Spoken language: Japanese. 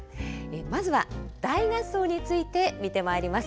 まずは大合奏について見てまいります。